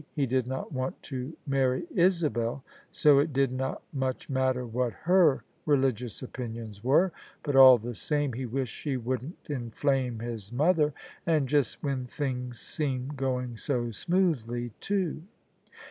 He did not want to marry Isabel, so it did not much matter what her religious opinions were: but, all the same, he wished she wouldn't inflame his mother — ^and just when things seemed going so smoothly, too.